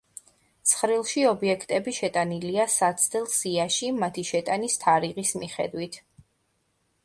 ცხრილში ობიექტები შეტანილია საცდელ სიაში მათი შეტანის თარიღის მიხედვით.